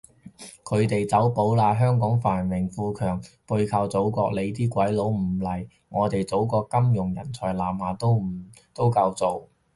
佢哋走寶喇，香港繁盛富強背靠祖國，你啲鬼佬唔嚟，我哋祖國金融人才南下都夠做